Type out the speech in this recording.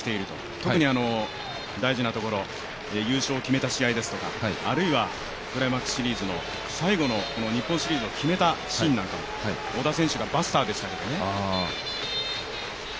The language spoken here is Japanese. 特に大事なところ、優勝を決めた試合ですとかあるいはクライマックスシリーズの、最後の日本シリーズを決めた試合も小田選手がバスターでしたけどね。